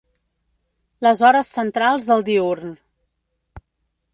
Les hores centrals del diürn.